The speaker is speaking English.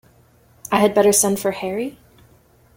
I had better send for Harry?